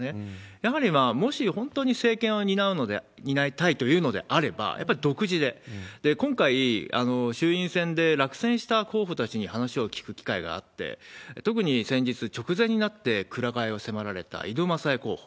やはりもし本当に政権を担いたいというのであれば、やっぱり独自で、今回、衆院選で落選した候補たちに話を聞く機会があって、特に先日、直前になってくら替えを迫られた井戸正枝候補。